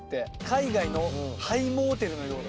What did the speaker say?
「海外の廃モーテルのようだ」。